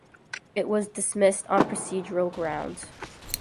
It was dismissed on procedural grounds.